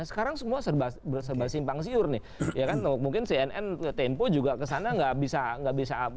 sekarang semua serba simpang siur mungkin cnn tempo juga ke sana tidak bisa kirim berita